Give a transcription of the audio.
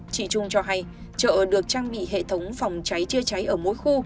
trị trung cho hay chợ được trang bị hệ thống phòng cháy chưa cháy ở mỗi khu